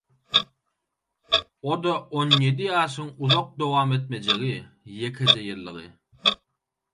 o-da on ýedi ýaşyň uzak dowam etmejegi, ýekeje ýyldygy.